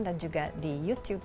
dan juga di youtube